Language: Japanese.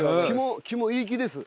木もいい木です。